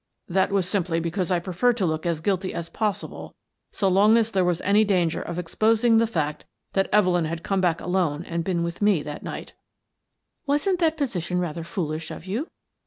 " That was simply because I preferred to look as guilty as possible so long as there was any danger of exposing the fact that Evelyn had come back alone and been with me that night" "Wasn't that position rather foolish of you?"